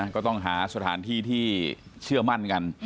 ก็ต้องหาสถานที่ที่เชื่อมั่นกัน